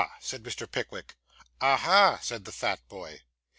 said Mr. Pickwick. 'Aha!' said the fat boy.